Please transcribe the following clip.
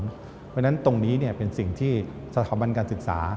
เพราะฉะนั้นตรงนี้เป็นสิ่งที่สถาบันการศึกษา